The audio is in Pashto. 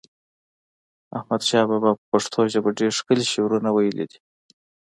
احمد شاه بابا په پښتو ژپه ډیر ښکلی شعرونه وایلی دی